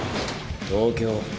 東京。